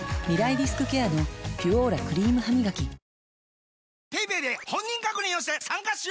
リスクケアの「ピュオーラ」クリームハミガキバカ